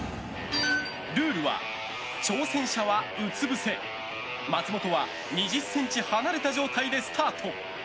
ルールは、挑戦者はうつぶせ松本は２０ｃｍ離れた状態でスタート。